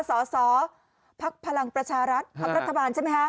สสภักดิ์พลังประชารัฐภักดิ์รัฐบาลใช่ไหมฮะ